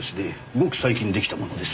ごく最近出来たものです。